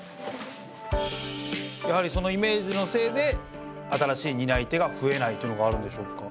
やはりそのイメージのせいで新しい担い手が増えないというのがあるんでしょうか？